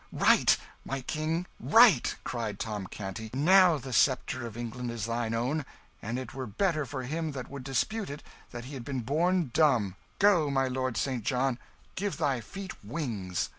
"Right, my King! right!" cried Tom Canty; "Now the sceptre of England is thine own; and it were better for him that would dispute it that he had been born dumb! Go, my Lord St. John, give thy feet wings!"